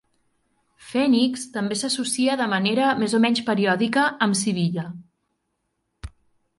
Phenix també s'associa de manera més o menys periòdica amb Sibilla